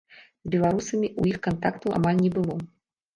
З беларусамі ў іх кантактаў амаль не было.